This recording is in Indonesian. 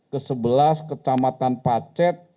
kesebelas kecamatan pacet